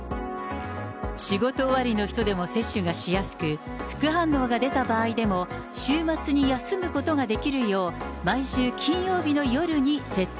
仕事終わりの人でも接種がしやすく、副反応が出た場合でも、週末に休むことができるよう、毎週金曜日の夜に設定。